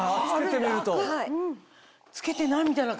着けてないみたいな感じ。